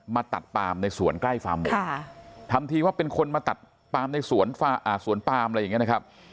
มาตัดปามในสวนใกล้ฟาร์มหมูทำทีว่าเป็นคนมาตัดปามในสวนปามอะไรอย่างนี้นะครับ